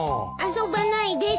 遊ばないです。